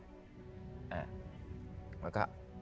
แล้วก็